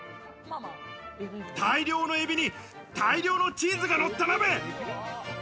大量のエビに、大量のチーズがのった鍋。